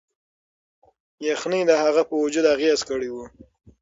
یخنۍ د هغه په وجود اغیز کړی و.